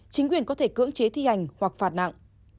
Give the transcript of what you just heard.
chính quyền có thể cưỡng chế thi hành hoặc phạt nặng